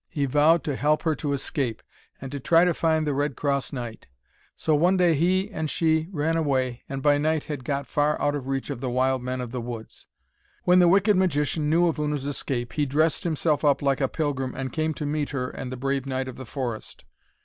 He vowed to help her to escape, and to try to find the Red Cross Knight. So one day he and she ran away, and by night had got far out of reach of the wild men of the woods. When the wicked magician knew of Una's escape, he dressed himself up like a pilgrim and came to meet her and the brave knight of the forest.